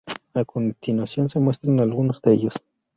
A continuación se muestran algunos de ellos.